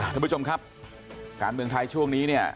ท่านผู้ชมครับการเมืองไทยช่วงนี้เนี่ย